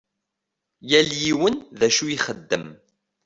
Yal yiwen d acu ixeddem.